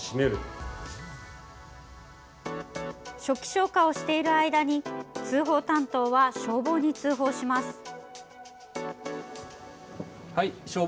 初期消火をしている間に通報担当は消防に通報します。